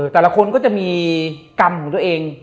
แต่ละคนก็จะมีกรรมของตัวเอง